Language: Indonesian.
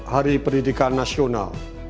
hari pendidikan nasional